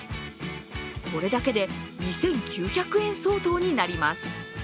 これだけで２９００円相当になります。